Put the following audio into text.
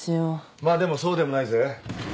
まあでもそうでもないぜ。